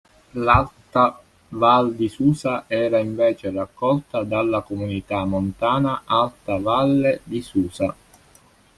L'alta val di Susa era invece raccolta dalla Comunità montana Alta Valle di Susa.